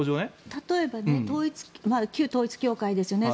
例えば旧統一教会ですよね